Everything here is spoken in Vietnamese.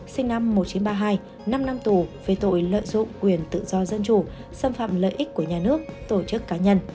sinh năm một nghìn chín trăm ba mươi hai năm năm tù về tội lợi dụng quyền tự do dân chủ xâm phạm lợi ích của nhà nước tổ chức cá nhân